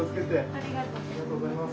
ありがとうございます。